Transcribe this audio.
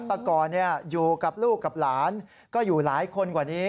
แต่ก่อนอยู่กับลูกกับหลานก็อยู่หลายคนกว่านี้